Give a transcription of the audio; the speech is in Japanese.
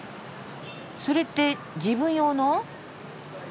それって自分用の？